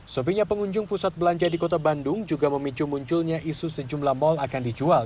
sopinya pengunjung pusat belanja di kota bandung juga memicu munculnya isu sejumlah mal akan dijual